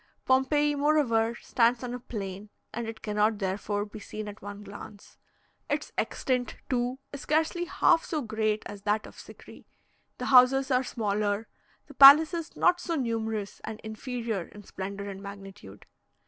Pompeii, moreover, stands on a plain, and it cannot, therefore, be seen at one glance; its extent, too, is scarcely half so great as that of Sikri; the houses are smaller, the palaces not so numerous, and inferior in splendour and magnitude.